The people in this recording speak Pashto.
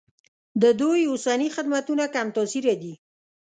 د دوی اوسني خدمتونه کم تاثیره دي.